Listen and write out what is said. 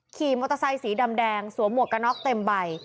ขี่มอเตอร์ไซสีดำแดงสวมหมวกกระน็อกเต็มใบ